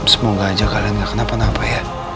semoga aja kalian gak kenapa kenapa ya